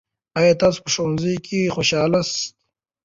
آیا ستاسو په ښوونځي کې خوشالي سته؟